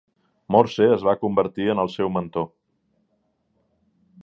Morse es va convertir en el seu mentor.